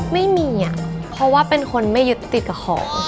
ไม่มีอ่ะเพราะว่าเป็นคนไม่ยึดติดกับของ